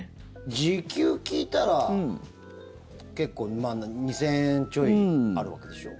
時給聞いたら結構、２０００円ちょいあるわけでしょ。